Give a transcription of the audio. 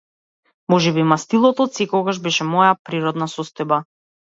Можеби мастилото отсекогаш беше моја природна состојба.